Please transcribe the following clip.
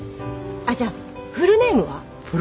あじゃあフルネームは？